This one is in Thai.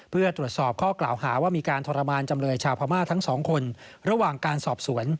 เพื่อตรวจสอบข้อกล่าวหาว่ามีการทรมานจำเลยชาวพม่าทั้งสองคนระหว่างการสอบสวน